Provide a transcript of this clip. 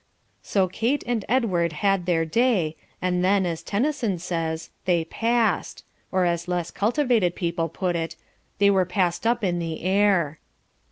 '" So Kate and Edward had their day and then, as Tennyson says, they "passed," or as less cultivated people put it, "they were passed up in the air."